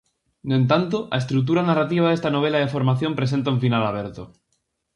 No entanto, a estrutura narrativa desta "novela de formación" presenta un final aberto.